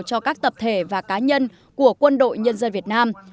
cho các tập thể và cá nhân của quân đội nhân dân việt nam